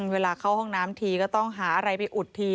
เวลาเข้าห้องน้ำทีก็ต้องหาอะไรไปอุดที